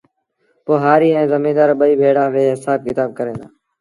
پوهآريٚ ائيٚݩ زميݩدآر ٻئي ڀيڙآ ويه هسآب ڪتآب ڪريݩ دآ